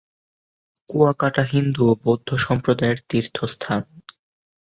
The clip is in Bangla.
কুয়াকাটা হিন্দু ও বৌদ্ধ সম্প্রদায়ের তীর্থস্থান।